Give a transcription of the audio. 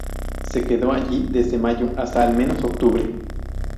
Se quedó allí desde mayo hasta al menos octubre.